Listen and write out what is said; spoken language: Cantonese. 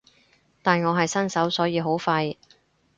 但我係新手所以好廢